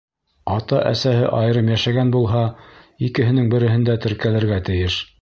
Ата-әсәһе айырым йәшәгән булһа, икеһенең береһендә теркәлергә тейеш.